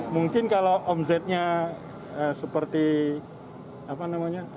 mungkin kalau omsetnya seperti apa namanya